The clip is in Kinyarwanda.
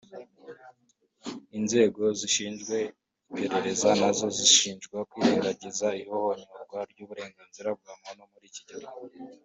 Inzego zishinzwe iperereza na zo zishinjwa kwirengagiza ihonyorwa ry’uburenganzira bwa muntu muri iki gihugu